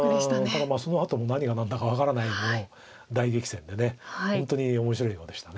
ただそのあと何が何だか分からない大激戦で本当に面白い碁でした。